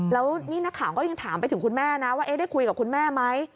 แล้วนี่นักข่าวก็ยังถามไปถึงคุณแม่นะว่าได้คุยกับคุณแม่ไหม